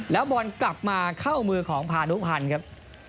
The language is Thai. แล้วบอลกลับมาเข้ามือของพานุพันธ์ครับ